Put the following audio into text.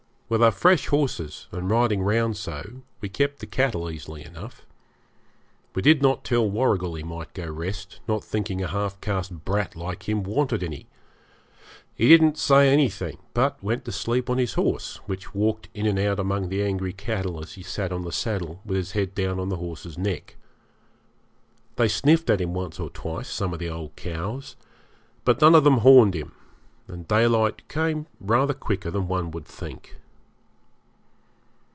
With our fresh horses and riding round so we kept the cattle easily enough. We did not tell Warrigal he might go to rest, not thinking a half caste brat like him wanted any. He didn't say anything, but went to sleep on his horse, which walked in and out among the angry cattle as he sat on the saddle with his head down on the horse's neck. They sniffed at him once or twice, some of the old cows, but none of them horned him; and daylight came rather quicker than one would think.